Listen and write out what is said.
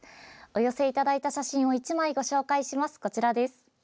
お寄せいただいた写真を１枚ご紹介します。